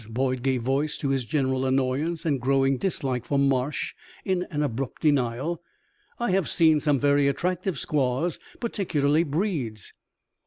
Boyd gave voice to his general annoyance and growing dislike for Marsh in an abrupt denial, "I have seen some very attractive squaws, particularly breeds."